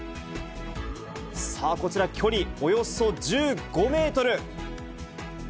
さあ、こちら距離、およそ１５メートル。